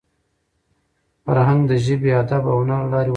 فرهنګ د ژبي، ادب او هنر له لاري وده کوي.